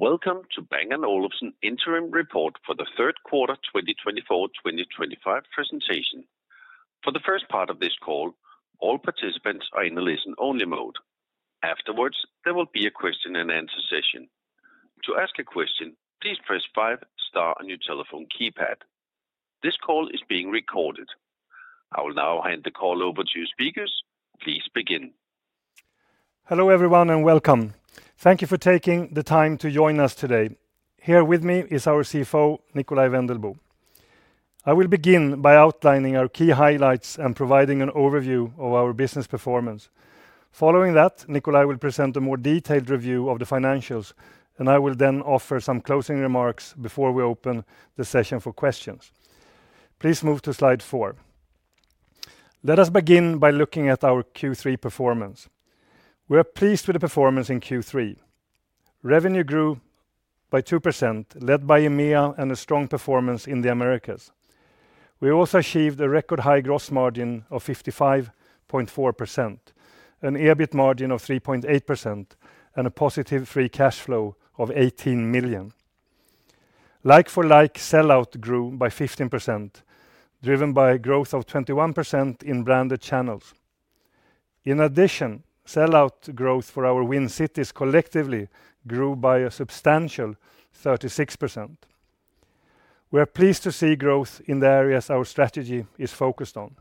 Welcome to Bang & Olufsen Interim Report for the third quarter 2024-2025 presentation. For the first part of this call, all participants are in a listen-only mode. Afterwards, there will be a question-and-answer session. To ask a question, please press five-star on your telephone keypad. This call is being recorded. I will now hand the call over to your speakers. Please begin. Hello everyone and welcome. Thank you for taking the time to join us today. Here with me is our CFO, Nikolaj Wendelboe. I will begin by outlining our key highlights and providing an overview of our business performance. Following that, Nikolaj will present a more detailed review of the financials, and I will then offer some closing remarks before we open the session for questions. Please move to slide four. Let us begin by looking at our Q3 performance. We are pleased with the performance in Q3. Revenue grew by 2%, led by EMEA and a strong performance in the Americas. We also achieved a record high gross margin of 55.4%, an EBIT margin of 3.8%, and a positive free cash flow of 18 million. Like-for-like sell-out grew by 15%, driven by a growth of 21% in branded channels. In addition, sell-out growth for our Win Cities collectively grew by a substantial 36%. We are pleased to see growth in the areas our strategy is focused on.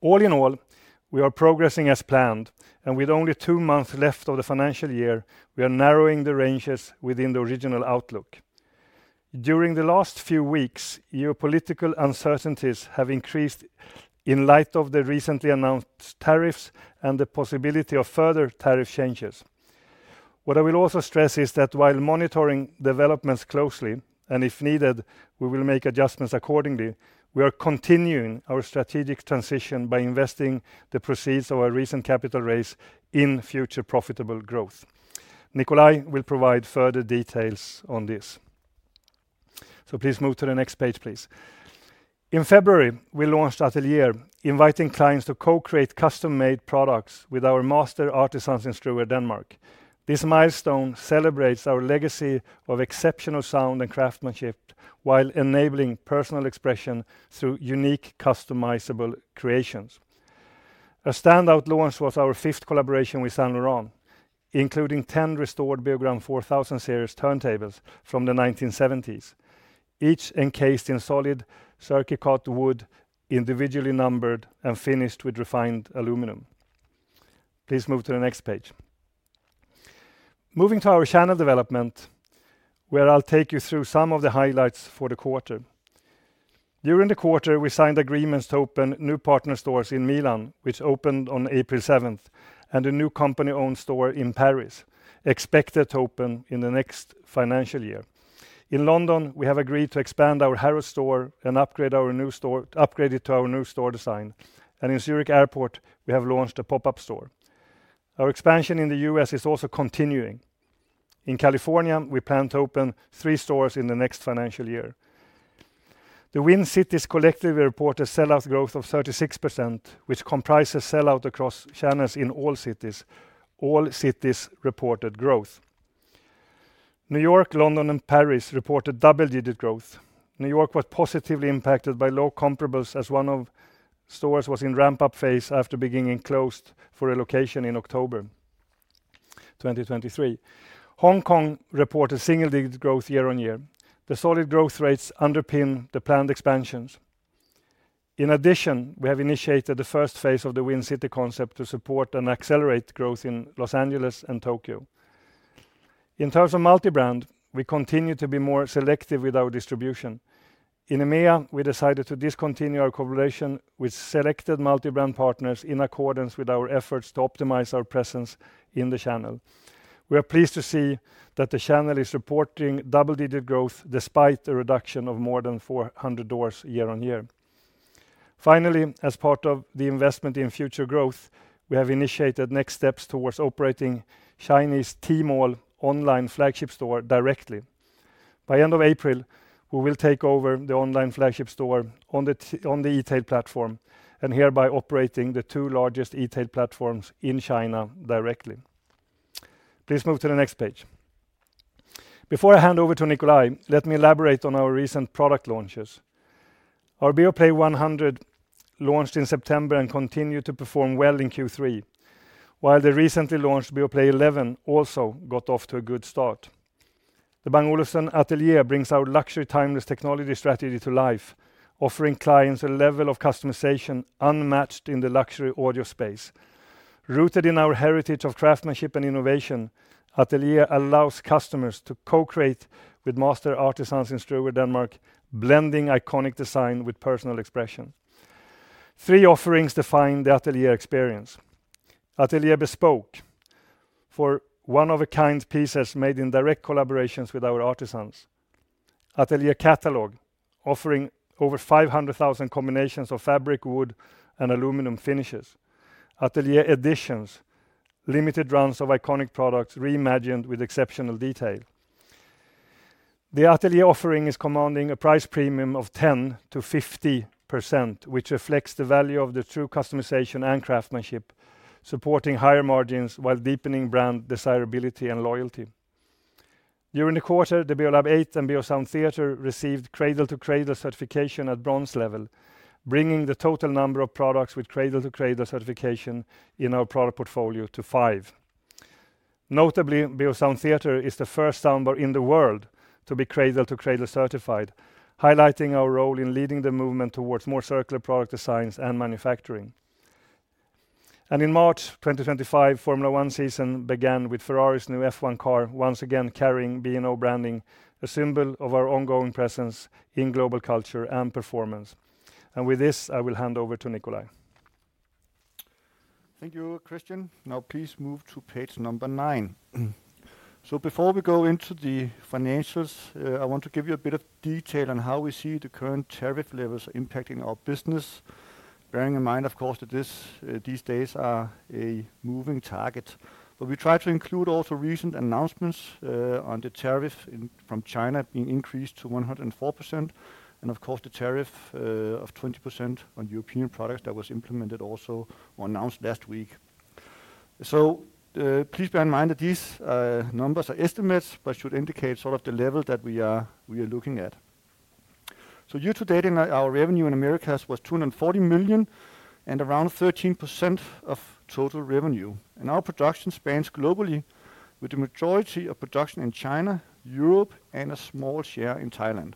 All in all, we are progressing as planned, and with only two months left of the financial year, we are narrowing the ranges within the original outlook. During the last few weeks, geopolitical uncertainties have increased in light of the recently announced tariffs and the possibility of further tariff changes. What I will also stress is that while monitoring developments closely, and if needed, we will make adjustments accordingly, we are continuing our strategic transition by investing the proceeds of our recent capital raise in future profitable growth. Nikolaj will provide further details on this. Please move to the next page, please. In February, we launched Atelier, inviting clients to co-create custom-made products with our master artisans in Struer, Denmark. This milestone celebrates our legacy of exceptional sound and craftsmanship while enabling personal expression through unique customizable creations. A standout launch was our fifth collaboration with Saint Laurent, including 10 restored Beogram 4000 series turntables from the 1970s, each encased in solid ziricote wood, individually numbered and finished with refined aluminum. Please move to the next page. Moving to our channel development, where I will take you through some of the highlights for the quarter. During the quarter, we signed agreements to open new partner stores in Milan, which opened on April 7th, and a new company-owned store in Paris, expected to open in the next financial year. In London, we have agreed to expand our Harrods store and upgrade our new store to our new store design. In Zurich Airport, we have launched a pop-up store. Our expansion in the US is also continuing. In California, we plan to open three stores in the next financial year. The Win Cities collectively reported sell-out growth of 36%, which comprises sell-out across channels in all cities. All cities reported growth. New York, London, and Paris reported double-digit growth. New York was positively impacted by low comparables as one of the stores was in ramp-up phase after being closed for a location in October 2023. Hong Kong reported single-digit growth year-on-year. The solid growth rates underpin the planned expansions. In addition, we have initiated the first phase of the Win City concept to support and accelerate growth in Los Angeles and Tokyo. In terms of multi-brand, we continue to be more selective with our distribution. In EMEA, we decided to discontinue our collaboration with selected multi-brand partners in accordance with our efforts to optimize our presence in the channel. We are pleased to see that the channel is reporting double-digit growth despite the reduction of more than 400 doors year-on-year. Finally, as part of the investment in future growth, we have initiated next steps towards operating Chinese Tmall online flagship store directly. By the end of April, we will take over the online flagship store on the e-tail platform and hereby operating the two largest e-tail platforms in China directly. Please move to the next page. Before I hand over to Nikolaj, let me elaborate on our recent product launches. Our Beoplay 100 launched in September and continued to perform well in Q3, while the recently launched Beoplay Eleven also got off to a good start. The Bang & Olufsen Atelier brings our luxury timeless technology strategy to life, offering clients a level of customization unmatched in the luxury audio space. Rooted in our heritage of craftsmanship and innovation, Atelier allows customers to co-create with master artisans in Struer, Denmark, blending iconic design with personal expression. Three offerings define the Atelier experience: Atelier Bespoke for one-of-a-kind pieces made in direct collaborations with our artisans; Atelier Catalogue, offering over 500,000 combinations of fabric, wood, and aluminum finishes; Atelier Editions, limited runs of iconic products reimagined with exceptional detail. The Atelier offering is commanding a price premium of 10% - 50%, which reflects the value of the true customization and craftsmanship, supporting higher margins while deepening brand desirability and loyalty. During the quarter, the Beolab 8 and Beosound Theatre received cradle-to-cradle certification at bronze level, bringing the total number of products with cradle-to-cradle certification in our product portfolio to five. Notably, Beosound Theatre is the first soundbar in the world to be cradle-to-cradle certified, highlighting our role in leading the movement towards more circular product designs and manufacturing. In March 2025, the Formula One season began with Ferrari's new F1 car once again carrying B&O branding, a symbol of our ongoing presence in global culture and performance. With this, I will hand over to Nikolaj. Thank you, Kristian. Now, please move to page number nine. Before we go into the financials, I want to give you a bit of detail on how we see the current tariff levels impacting our business, bearing in mind, of course, that these days are a moving target. We try to include also recent announcements on the tariff from China being increased to 104%, and, of course, the tariff of 20% on European products that was implemented also or announced last week. Please bear in mind that these numbers are estimates, but should indicate sort of the level that we are looking at. Year-to-date, our revenue in America was 240 million and around 13% of total revenue. Our production spans globally with the majority of production in China, Europe, and a small share in Thailand.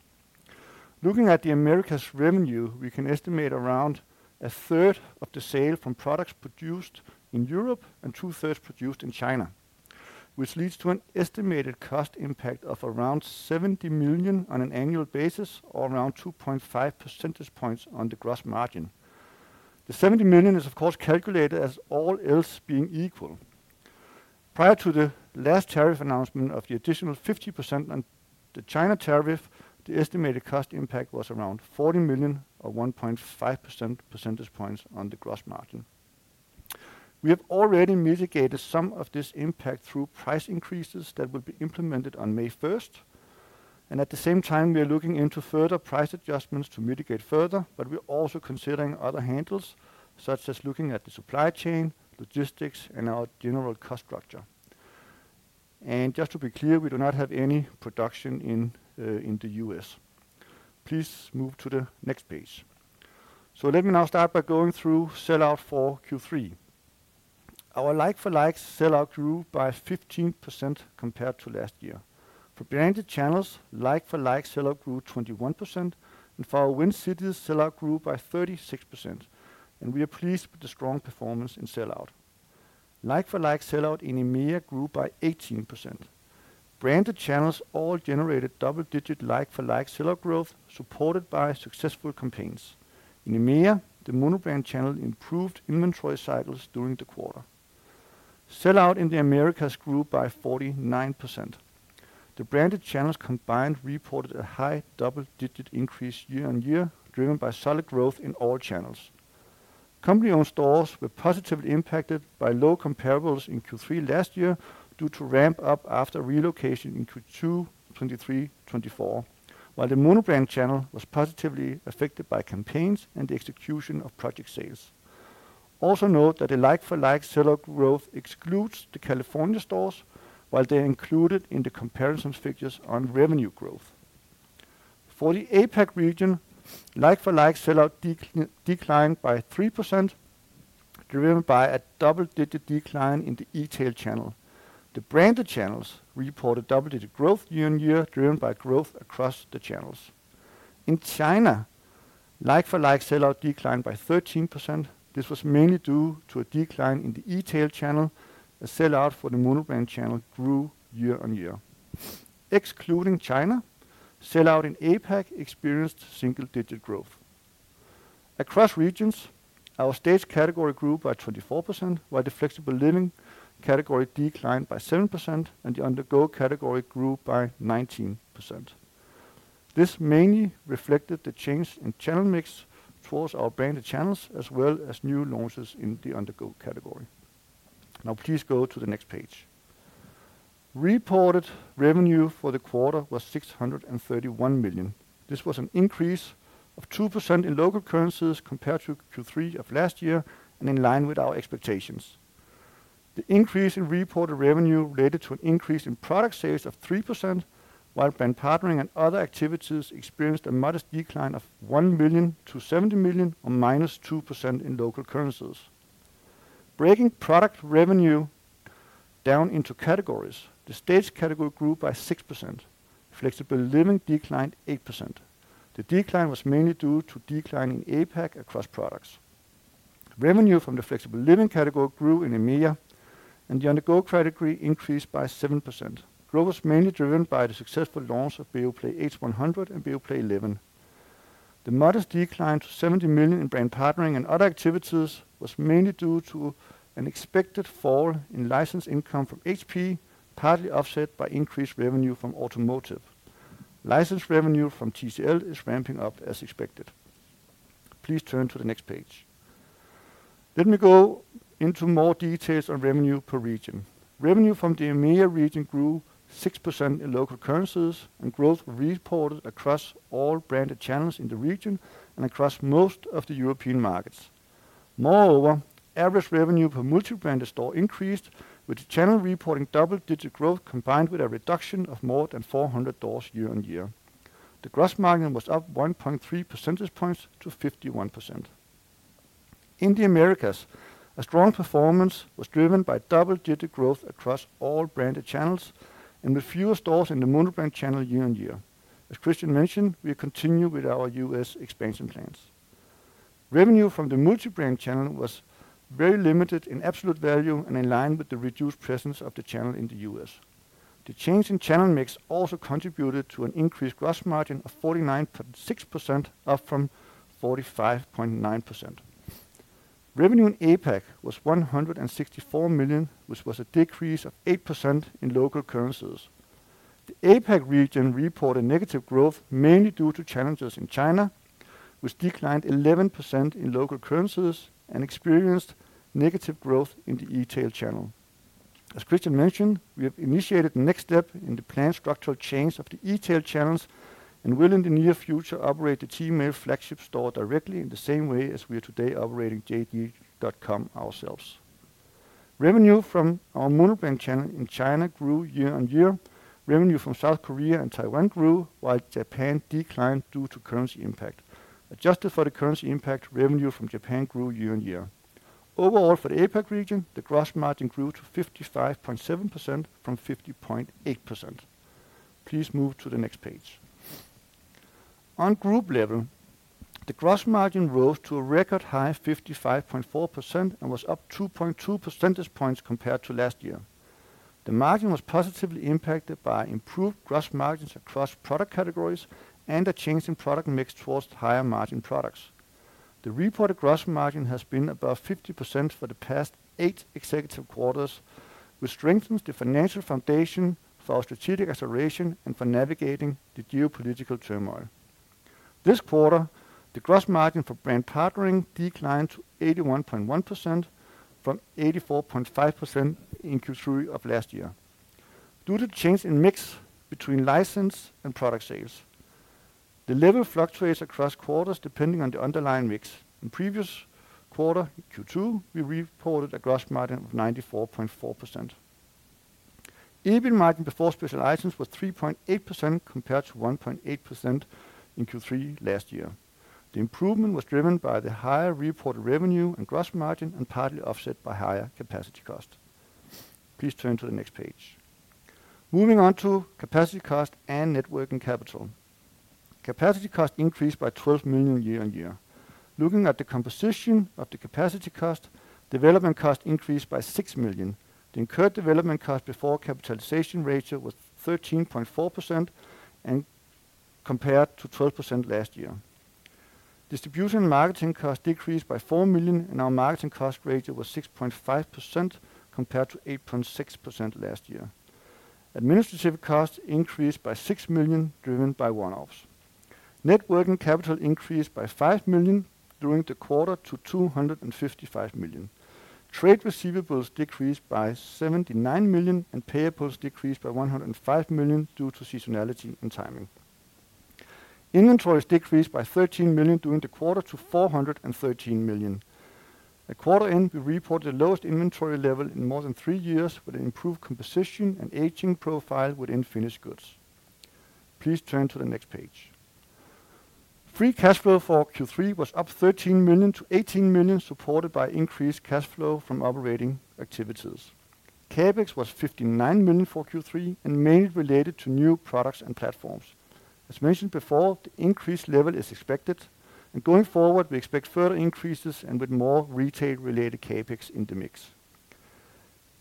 Looking at the Americas' revenue, we can estimate around 1/3 of the sale from products produced in Europe and 2/3 produced in China, which leads to an estimated cost impact of around 70 million on an annual basis or around 2.5 percentage points on the gross margin. The 70 million is, of course, calculated as all else being equal. Prior to the last tariff announcement of the additional 50% on the China tariff, the estimated cost impact was around 40 million or 1.5 percentage points on the gross margin. We have already mitigated some of this impact through price increases that will be implemented on May 1st. At the same time, we are looking into further price adjustments to mitigate further, but we are also considering other handles, such as looking at the supply chain, logistics, and our general cost structure. Just to be clear, we do not have any production in the US. Please move to the next page. Let me now start by going through sell-out for Q3. Our like-for-like sell-out grew by 15% compared to last year. For branded channels, like-for-like sell-out grew 21%, and for our Win Cities, sell-out grew by 36%. We are pleased with the strong performance in sell-out. Like-for-like sell-out in EMEA grew by 18%. Branded channels all generated double-digit like-for-like sell-out growth supported by successful campaigns. In EMEA, the monobrand channel improved inventory cycles during the quarter. Sell-out in the Americas grew by 49%. The branded channels combined reported a high double-digit increase year-on-year, driven by solid growth in all channels. Company-owned stores were positively impacted by low comparables in Q3 last year due to ramp-up after relocation in Q2 2023-2024, while the monobrand channel was positively affected by campaigns and the execution of project sales. Also note that the like-for-like sell-out growth excludes the California stores, while they are included in the comparison figures on revenue growth. For the APAC region, like-for-like sell-out declined by 3%, driven by a double-digit decline in the e-tail channel. The branded channels reported double-digit growth year-on-year, driven by growth across the channels. In China, like-for-like sell-out declined by 13%. This was mainly due to a decline in the e-tail channel. The sell-out for the monobrand channel grew year-on-year. Excluding China, sell-out in APAC experienced single-digit growth. Across regions, our stage category grew by 24%, while the flexible living category declined by 7%, and the on-the-go category grew by 19%. This mainly reflected the change in channel mix for our branded channels, as well as new launches in the undergo category. Now, please go to the next page. Reported revenue for the quarter was 631 million. This was an increase of 2% in local currencies compared to Q3 of last year and in line with our expectations. The increase in reported revenue related to an increase in product sales of 3%, while brand partnering and other activities experienced a modest decline of 1 million to 70 million, or minus 2% in local currencies. Breaking product revenue down into categories, the stage category grew by 6%. Flexible living declined 8%. The decline was mainly due to decline in APAC across products. Revenue from the flexible living category grew in EMEA, and the undergo category increased by 7%. Growth was mainly driven by the successful launch of Beoplay H100 and Beoplay Eleven The modest decline to 70 million in brand partnering and other activities was mainly due to an expected fall in license income from HP, partly offset by increased revenue from automotive. License revenue from TCL is ramping up as expected. Please turn to the next page. Let me go into more details on revenue per region. Revenue from the EMEA region grew 6% in local currencies, and growth was reported across all branded channels in the region and across most of the European markets. Moreover, average revenue per multi-brand store increased, with the channel reporting double-digit growth combined with a reduction of more than 400 doors year-on-year. The gross margin was up 1.3 percentage points to 51%. In the Americas, a strong performance was driven by double-digit growth across all branded channels and with fewer stores in the monobrand channel year-on-year. As Kristian mentioned, we continue with our US expansion plans. Revenue from the multi-brand channel was very limited in absolute value and in line with the reduced presence of the channel in the US. The change in channel mix also contributed to an increased gross margin of 49.6%, up from 45.9%. Revenue in APAC was 164 million, which was a decrease of 8% in local currencies. The APAC region reported negative growth mainly due to challenges in China, which declined 11% in local currencies and experienced negative growth in the e-tail channel. As Kristian mentioned, we have initiated the next step in the planned structural change of the e-tail channels and will in the near future operate the Tmall flagship store directly in the same way as we are today operating JD.com ourselves. Revenue from our monobrand channel in China grew year-on-year. Revenue from South Korea and Taiwan grew, while Japan declined due to currency impact. Adjusted for the currency impact, revenue from Japan grew year-on-year. Overall, for the APAC region, the gross margin grew to 55.7% from 50.8%. Please move to the next page. On group level, the gross margin rose to a record high of 55.4% and was up 2.2 percentage points compared to last year. The margin was positively impacted by improved gross margins across product categories and a change in product mix towards higher margin products. The reported gross margin has been above 50% for the past eight consecutive quarters, which strengthens the financial foundation for our strategic acceleration and for navigating the geopolitical turmoil. This quarter, the gross margin for brand partnering declined to 81.1% from 84.5% in Q3 of last year due to the change in mix between license and product sales. The level fluctuates across quarters depending on the underlying mix. In previous quarter, Q2, we reported a gross margin of 94.4%. EBIT margin before special items was 3.8% compared to 1.8% in Q3 last year. The improvement was driven by the higher reported revenue and gross margin and partly offset by higher capacity cost. Please turn to the next page. Moving on to capacity cost and net working capital. Capacity cost increased by 12 million year-on-year. Looking at the composition of the capacity cost, development cost increased by 6 million. The incurred development cost before capitalization ratio was 13.4% compared to 12% last year. Distribution and marketing cost decreased by 4 million, and our marketing cost ratio was 6.5% compared to 8.6% last year. Administrative cost increased by 6 million, driven by one-offs. Net working capital increased by 5 million during the quarter to 255 million. Trade receivables decreased by 79 million, and payables decreased by 105 million due to seasonality and timing. Inventories decreased by 13 million during the quarter to 413 million. At quarter end, we reported the lowest inventory level in more than three years with an improved composition and aging profile within finished goods. Please turn to the next page. Free cash flow for Q3 was up 13 million to 18 million, supported by increased cash flow from operating activities. CapEx was 59 million for Q3 and mainly related to new products and platforms. As mentioned before, the increased level is expected, and going forward, we expect further increases and with more retail-related CapEx in the mix.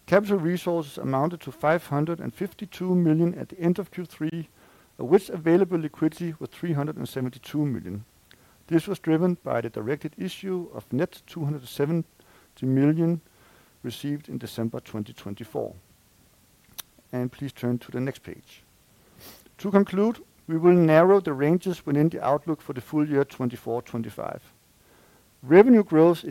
Capital resources amounted to 552 million at the end of Q3, of which available liquidity was 372 million. This was driven by the directed issue of net 270 million received in December 2024. Please turn to the next page. To conclude, we will narrow the ranges within the outlook for the full year 2024-2025. Revenue growth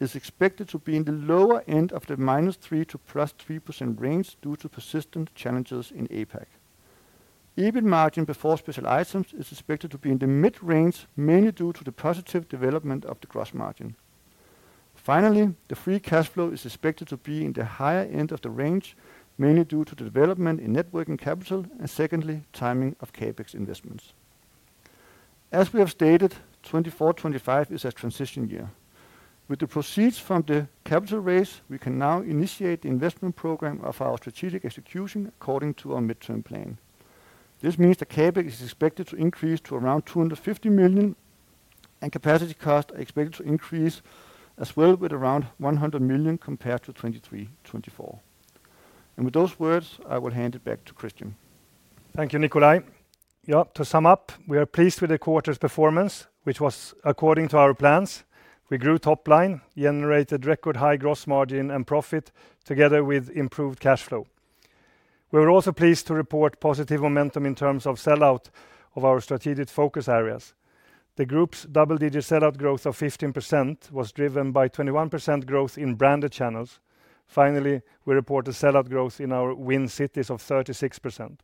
is expected to be in the lower end of the -3% to +3% range due to persistent challenges in APAC. EBIT margin before special items is expected to be in the mid-range, mainly due to the positive development of the gross margin. Finally, the free cash flow is expected to be in the higher end of the range, mainly due to the development in networking capital and secondly, timing of CapEx investments. As we have stated, 2024-2025 is a transition year. With the proceeds from the capital raise, we can now initiate the investment program of our strategic execution according to our midterm plan. This means that CapEx is expected to increase to around 250 million, and capacity costs are expected to increase as well with around 100 million compared to 2023-2024. With those words, I will hand it back to Kristian. Thank you, Nikolaj. Yeah, to sum up, we are pleased with the quarter's performance, which was according to our plans. We grew top line, generated record high gross margin and profit together with improved cash flow. We were also pleased to report positive momentum in terms of sell-out of our strategic focus areas. The group's double-digit sell-out growth of 15% was driven by 21% growth in branded channels. Finally, we reported sell-out growth in our Win Cities of 36%.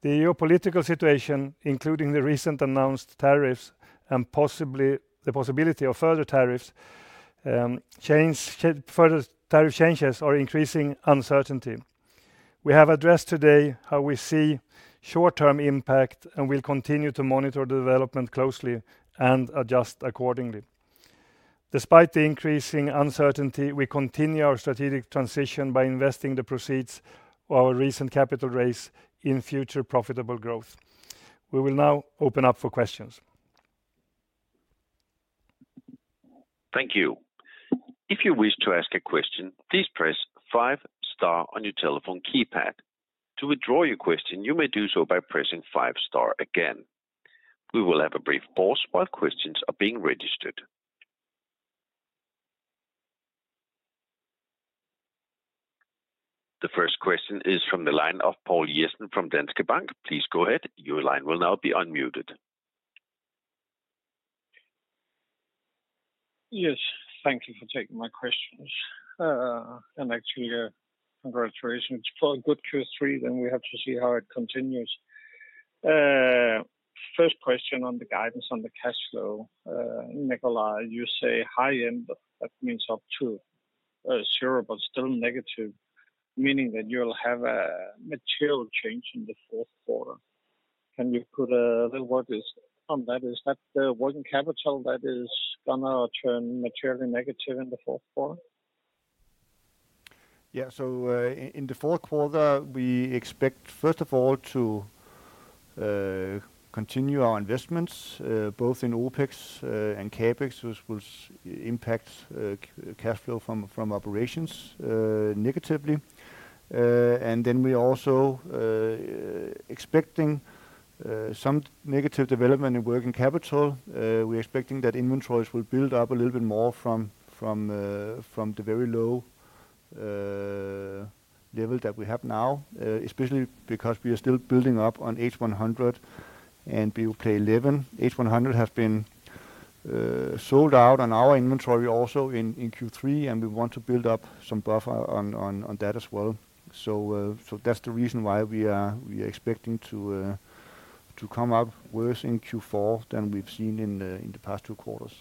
The geopolitical situation, including the recent announced tariffs and the possibility of further tariff changes or increasing uncertainty. We have addressed today how we see short-term impact and will continue to monitor the development closely and adjust accordingly. Despite the increasing uncertainty, we continue our strategic transition by investing the proceeds of our recent capital raise in future profitable growth. We will now open up for questions. Thank you. If you wish to ask a question, please press five star on your telephone keypad. To withdraw your question, you may do so by pressing five star again. We will have a brief pause while questions are being registered. The first question is from the line of Poul Jessen from Danske Bank. Please go ahead. Your line will now be unmuted. Yes, thank you for taking my questions. Actually, congratulations. For a good Q3, then we have to see how it continues. First question on the guidance on the cash flow. Nikolaj, you say high end, that means up to zero, but still negative, meaning that you'll have a material change in the fourth quarter. Can you put a little word on that? Is that working capital that is going to turn materially negative in the fourth quarter? Yeah, in the fourth quarter, we expect, first of all, to continue our investments, both in OpEx and CapEx, which will impact cash flow from operations negatively. We are also expecting some negative development in working capital. We are expecting that inventories will build up a little bit more from the very low level that we have now, especially because we are still building up on H100 and Beoplay Eleven. H100 has been sold out on our inventory also in Q3, and we want to build up some buffer on that as well. That is the reason why we are expecting to come up worse in Q4 than we have seen in the past two quarters.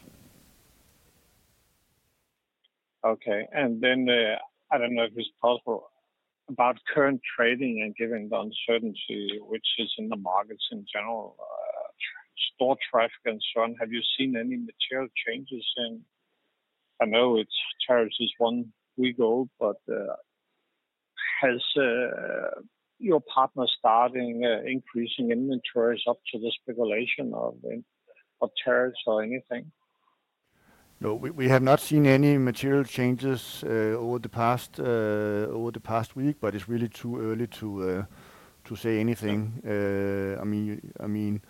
Okay, and then I do not know if it is possible about current trading and given the uncertainty, which is in the markets in general, store traffic and so on, have you seen any material changes in? I know tariffs is one week old, but has your partner started increasing inventories up to the speculation of tariffs or anything? No, we have not seen any material changes over the past week, but it is really too early to say anything. I mean,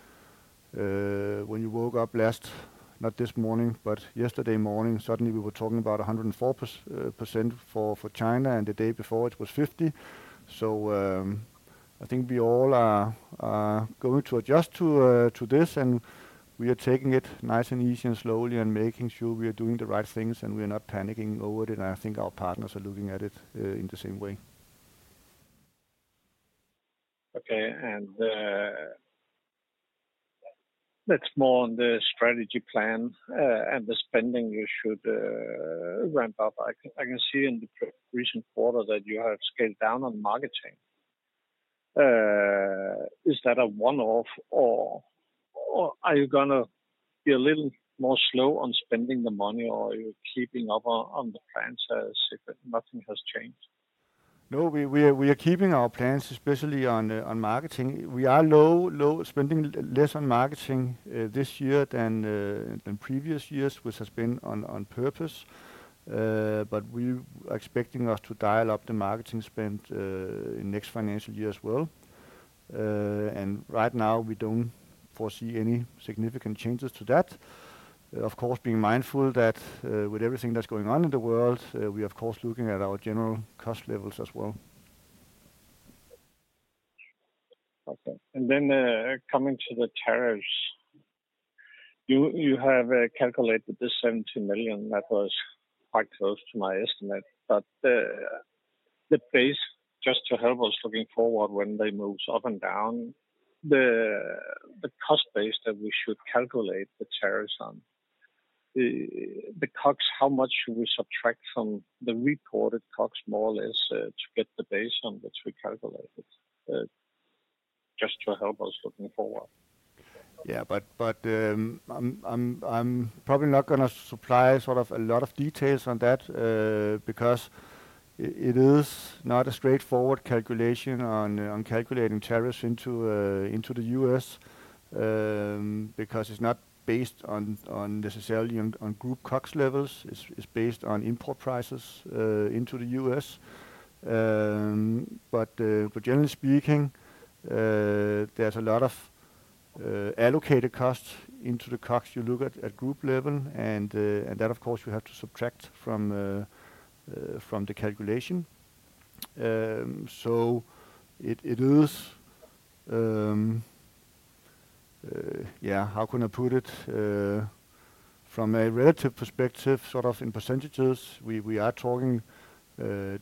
when you woke up last, not this morning, but yesterday morning, suddenly we were talking about 104% for China, and the day before it was 50%. I think we all are going to adjust to this, and we are taking it nice and easy and slowly and making sure we are doing the right things and we are not panicking over it. I think our partners are looking at it in the same way. Okay, and that's more on the strategy plan and the spending you should ramp up. I can see in the recent quarter that you have scaled down on marketing. Is that a one-off, or are you going to be a little more slow on spending the money, or are you keeping up on the plans as if nothing has changed? No, we are keeping our plans, especially on marketing. We are spending less on marketing this year than previous years, which has been on purpose, but we are expecting us to dial up the marketing spend in next financial year as well. Right now, we do not foresee any significant changes to that. Of course, being mindful that with everything that is going on in the world, we are of course looking at our general cost levels as well. Okay, coming to the tariffs, you have calculated the 70 million. That was quite close to my estimate, but the base, just to help us looking forward when they move up and down, the cost base that we should calculate the tariffs on, the costs, how much should we subtract from the reported costs more or less to get the base on which we calculated? Just to help us looking forward. Yeah, but I'm probably not going to supply sort of a lot of details on that because it is not a straightforward calculation on calculating tariffs into the US because it's not based on necessarily on group cost levels. It's based on import prices into the US. Generally speaking, there's a lot of allocated costs into the costs you look at at group level, and that of course you have to subtract from the calculation. It is, yeah, how can I put it? From a relative perspective, sort of in percentages, we are talking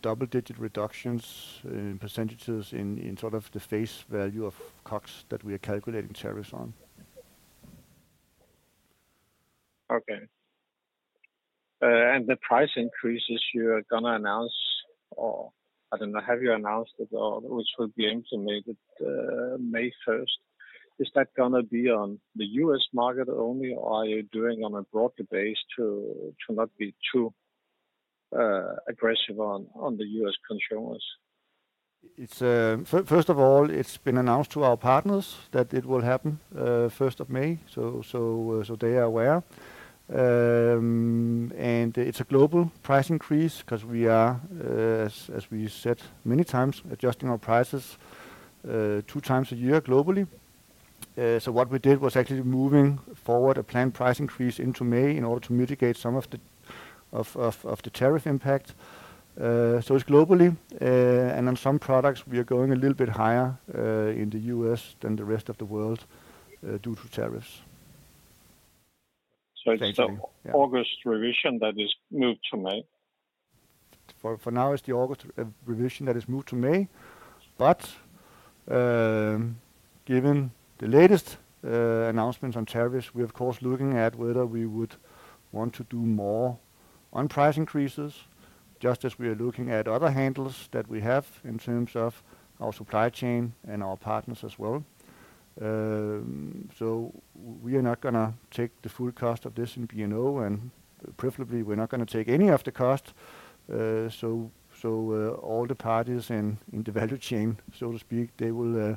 double-digit reductions in percentages in sort of the face value of costs that we are calculating tariffs on. Okay, and the price increases you are going to announce, or I don't know, have you announced it, which will be implemented May 1st? Is that going to be on the US market only, or are you doing on a broader base to not be too aggressive on the US consumers? First of all, it's been announced to our partners that it will happen 1st of May, so they are aware. It is a global price increase because we are, as we said many times, adjusting our prices two times a year globally. What we did was actually moving forward a planned price increase into May in order to mitigate some of the tariff impact, so it’s globally, and on some products, we are going a little bit higher in the US than the rest of the world due to tariffs. Is it the August revision that is moved to May? For now, it is the August revision that is moved to May, but given the latest announcements on tariffs, we are of course looking at whether we would want to do more on price increases, just as we are looking at other handles that we have in terms of our supply chain and our partners as well. We are not going to take the full cost of this in Bang & Olufsen, and preferably, we are not going to take any of the cost. All the parties in the value chain, so to speak, they will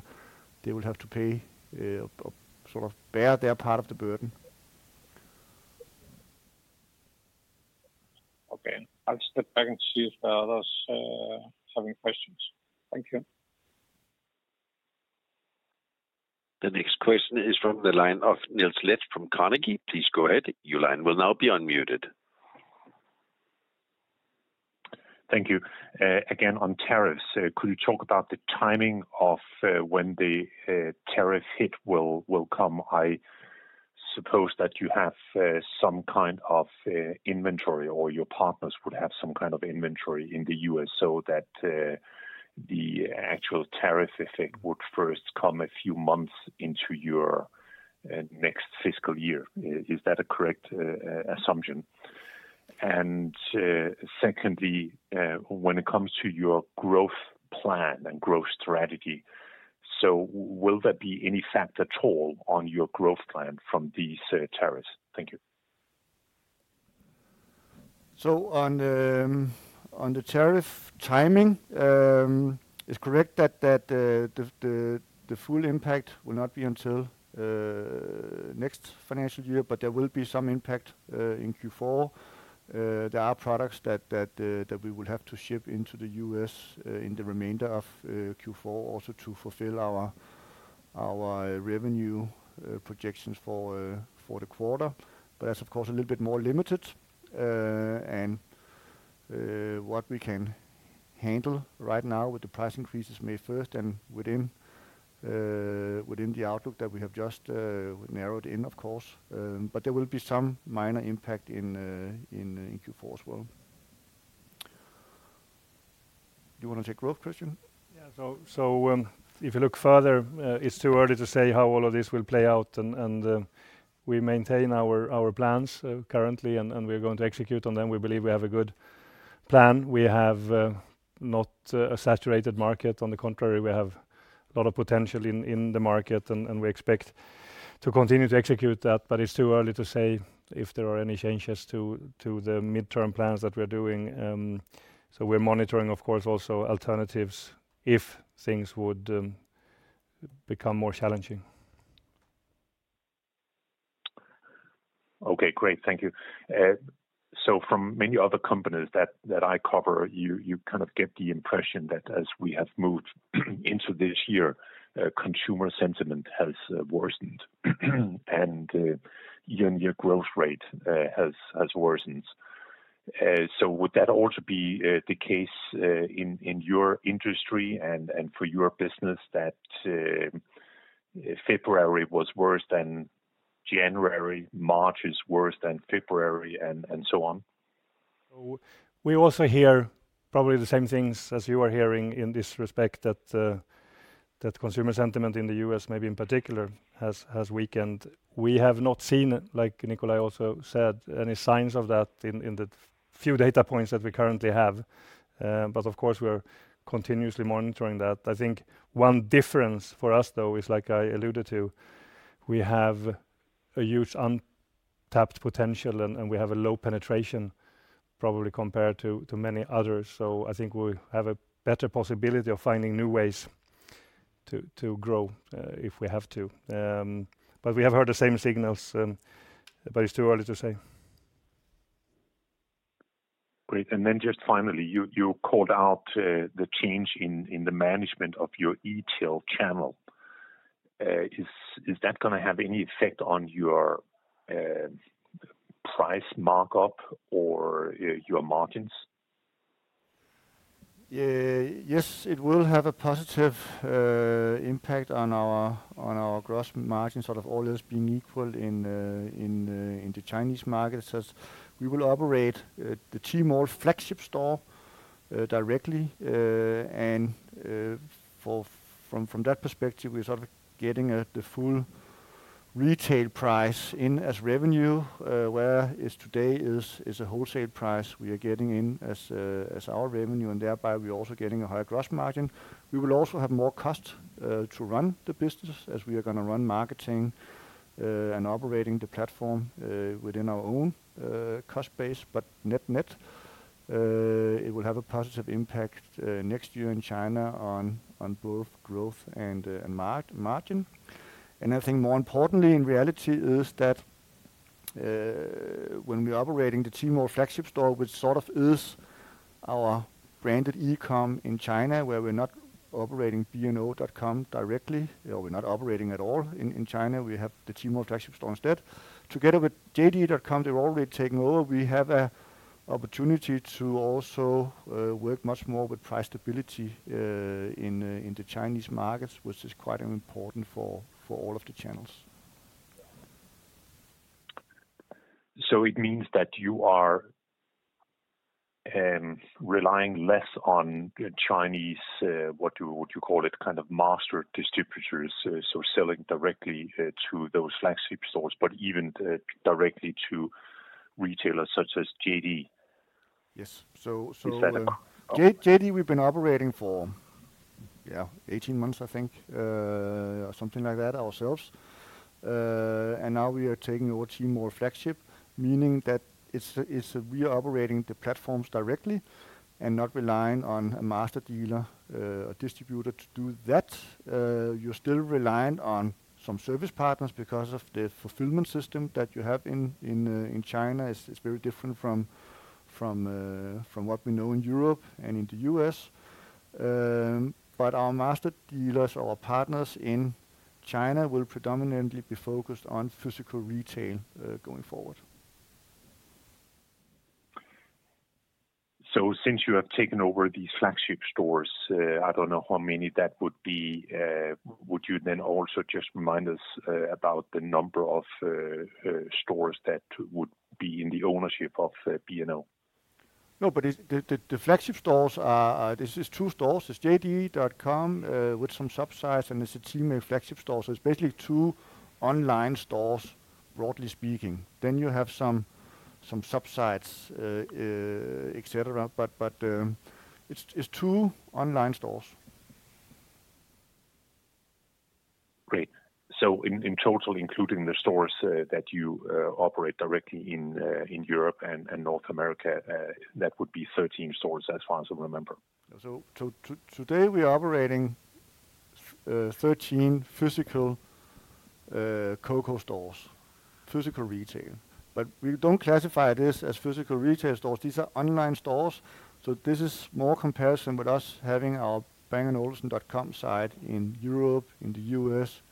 have to pay or sort of bear their part of the burden. Okay, I will step back and see if the others have any questions. Thank you. The next question is from the line of Niels Leth from Carnegie. Please go ahead. Your line will now be unmuted. Thank you. Again, on tariffs, could you talk about the timing of when the tariff hit will come? I suppose that you have some kind of inventory or your partners would have some kind of inventory in the US so that the actual tariff effect would first come a few months into your next fiscal year. Is that a correct assumption? Secondly, when it comes to your growth plan and growth strategy, will there be any effect at all on your growth plan from these tariffs? Thank you. On the tariff timing, it is correct that the full impact will not be until next financial year, but there will be some impact in Q4. There are products that we will have to ship into the US in the remainder of Q4 also to fulfill our revenue projections for the quarter, but that is of course a little bit more limited. What we can handle right now with the price increases May 1st and within the outlook that we have just narrowed in, of course, but there will be some minor impact in Q4 as well. Do you want to take growth, Kristian? Yeah, if you look further, it's too early to say how all of this will play out, and we maintain our plans currently, and we're going to execute on them. We believe we have a good plan. We have not a saturated market. On the contrary, we have a lot of potential in the market, and we expect to continue to execute that, but it's too early to say if there are any changes to the midterm plans that we're doing. We are monitoring, of course, also alternatives if things would become more challenging. Okay, great. Thank you. From many other companies that I cover, you kind of get the impression that as we have moved into this year, consumer sentiment has worsened and year-on-year growth rate has worsened. Would that also be the case in your industry and for your business that February was worse than January, March is worse than February, and so on? We also hear probably the same things as you are hearing in this respect that consumer sentiment in the US, maybe in particular, has weakened. We have not seen, like Nikolaj also said, any signs of that in the few data points that we currently have, but of course, we are continuously monitoring that. I think one difference for us, though, is like I alluded to, we have a huge untapped potential and we have a low penetration probably compared to many others. I think we have a better possibility of finding new ways to grow if we have to. We have heard the same signals, but it's too early to say. Great. Just finally, you called out the change in the management of your e-tail channel. Is that going to have any effect on your price markup or your margins? Yes, it will have a positive impact on our gross margin, all those being equal in the Chinese market. We will operate the Tmall flagship store directly, and from that perspective, we're getting the full retail price in as revenue, whereas today it is a wholesale price we are getting in as our revenue, and thereby we're also getting a higher gross margin. We will also have more cost to run the business as we are going to run marketing and operating the platform within our own cost base, but net net, it will have a positive impact next year in China on both growth and margin. I think more importantly, in reality, is that when we are operating the Tmall flagship store, which sort of is our branded e-comm in China, where we're not operating B&O.com directly, or we're not operating at all in China, we have the Tmall flagship store instead. Together with JD.com, they're already taking over. We have an opportunity to also work much more with price stability in the Chinese markets, which is quite important for all of the channels. It means that you are relying less on Chinese, what you call it, kind of master distributors, so selling directly to those flagship stores, but even directly to retailers such as JD? Yes. JD, we've been operating for, yeah, 18 months, I think, or something like that ourselves. Now we are taking over Tmall flagship, meaning that we are operating the platforms directly and not relying on a master dealer or distributor to do that. You're still reliant on some service partners because of the fulfillment system that you have in China. It's very different from what we know in Europe and in the US. Our master dealers, our partners in China will predominantly be focused on physical retail going forward. Since you have taken over these flagship stores, I don't know how many that would be. Would you then also just remind us about the number of stores that would be in the ownership of B&O? No, but the flagship stores, this is two stores. There's JD.com with some subsites, and there's a Tmall flagship store. So it's basically two online stores, broadly speaking. Then you have some subsites, etc., but it's two online stores. Great. In total, including the stores that you operate directly in Europe and North America, that would be 13 stores as far as I remember. Today we are operating 13 physical COCO stores, physical retail. We don't classify this as physical retail stores. These are online stores. This is more comparison with us having our Bang&Olufsen.com site in Europe, in the US,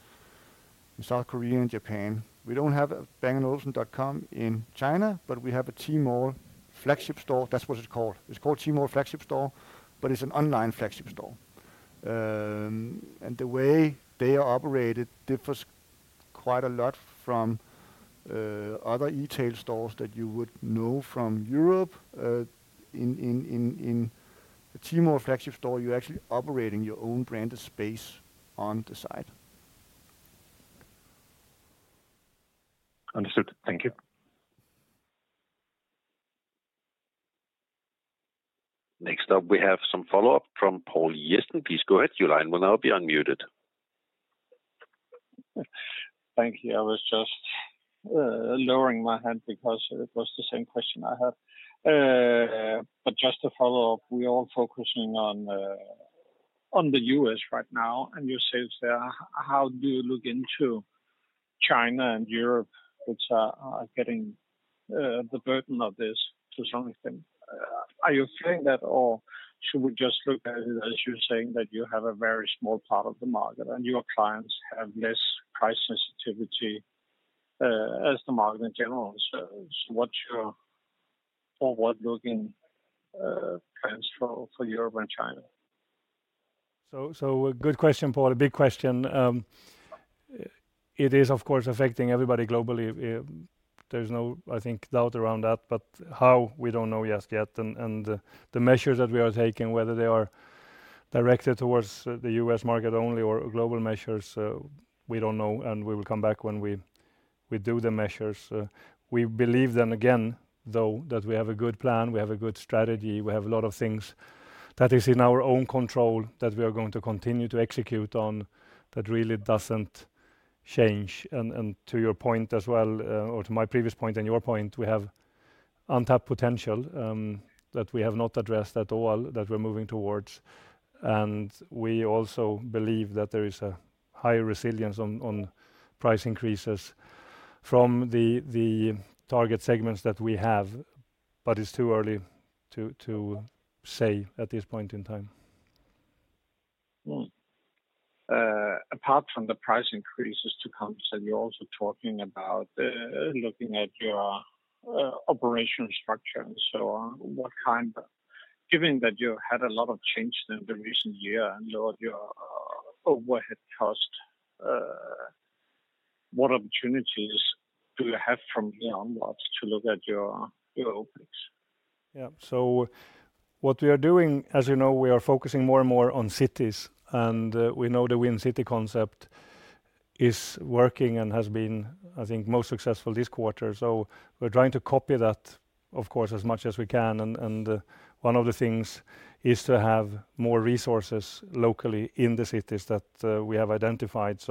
in South Korea, and Japan. We do not have Bang&Olufsen.com in China, but we have a Tmall flagship store. That is what it is called. It is called Tmall flagship store, but it is an online flagship store. The way they are operated differs quite a lot from other retail stores that you would know from Europe. In a Tmall flagship store, you are actually operating your own branded space on the site. Understood. Thank you. Next up, we have some follow-up from Poul Jessen. Please go ahead. Your line will now be unmuted. Thank you. I was just lowering my hand because it was the same question I had. Just to follow up, we are all focusing on the US right now, and you said how do you look into China and Europe, which are getting the burden of this to some extent? Are you saying that, or should we just look at it as you're saying that you have a very small part of the market and your clients have less price sensitivity as the market in general? What's your forward-looking plans for Europe and China? Good question, Poul. A big question. It is, of course, affecting everybody globally. There's no, I think, doubt around that, but how, we don't know yet. The measures that we are taking, whether they are directed towards the US market only or global measures, we don't know, and we will come back when we do the measures. We believe then again, though, that we have a good plan, we have a good strategy, we have a lot of things that is in our own control that we are going to continue to execute on that really doesn't change. To your point as well, or to my previous point and your point, we have untapped potential that we have not addressed at all, that we're moving towards. We also believe that there is a high resilience on price increases from the target segments that we have, but it's too early to say at this point in time. Apart from the price increases to come, you're also talking about looking at your operational structure and so on. Given that you had a lot of change in the recent year and lowered your overhead cost, what opportunities do you have from here onwards to look at your openings? Yeah. What we are doing, as you know, we are focusing more and more on cities, and we know the Win City concept is working and has been, I think, most successful this quarter. We're trying to copy that, of course, as much as we can. One of the things is to have more resources locally in the cities that we have identified.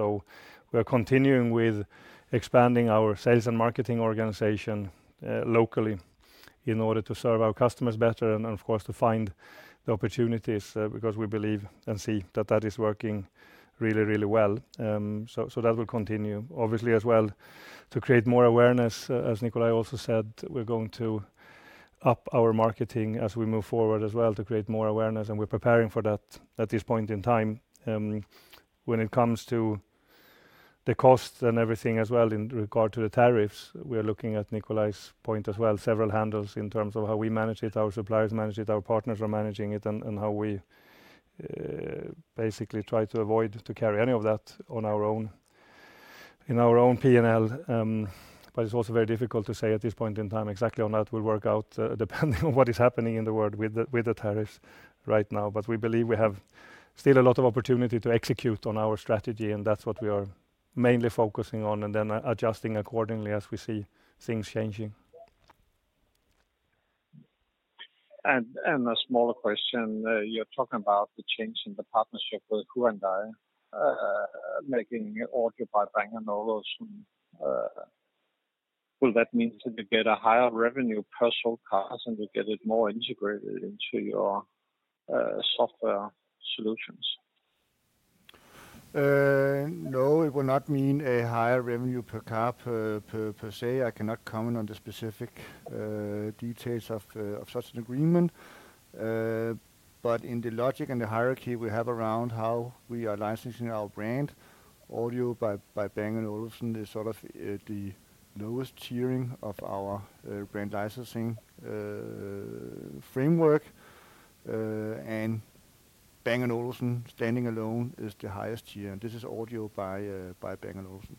We are continuing with expanding our sales and marketing organization locally in order to serve our customers better and, of course, to find the opportunities because we believe and see that that is working really, really well. That will continue. Obviously, as well, to create more awareness, as Nikolaj also said, we're going to up our marketing as we move forward as well to create more awareness, and we're preparing for that at this point in time. When it comes to the cost and everything as well in regard to the tariffs, we are looking at Nikolaj's point as well, several handles in terms of how we manage it, our suppliers manage it, our partners are managing it, and how we basically try to avoid carrying any of that on our own P&L. It is also very difficult to say at this point in time exactly how that will work out depending on what is happening in the world with the tariffs right now. We believe we have still a lot of opportunity to execute on our strategy, and that is what we are mainly focusing on and then adjusting accordingly as we see things changing. A smaller question, you are talking about the change in the partnership with Hyundai making Audio by Bang & Olufsen. Will that mean that you get a higher revenue per sole cost and you get it more integrated into your software solutions? No, it will not mean a higher revenue per cap per se. I cannot comment on the specific details of such an agreement. In the logic and the hierarchy we have around how we are licensing our brand, Audio by Bang & Olufsen is sort of the lowest tiering of our brand licensing framework. Bang & Olufsen standing alone is the highest tier. This is Audio by Bang & Olufsen.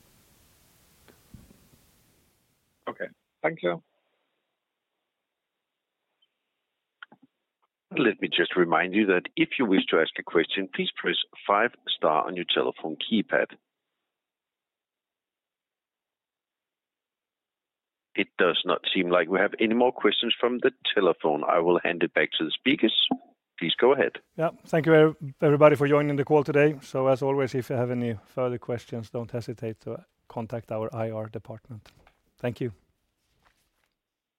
Okay. Thank you. Let me just remind you that if you wish to ask a question, please press five star on your telephone keypad. It does not seem like we have any more questions from the telephone. I will hand it back to the speakers. Please go ahead. Yeah. Thank you, everybody, for joining the call today. As always, if you have any further questions, do not hesitate to contact our IR department. Thank you.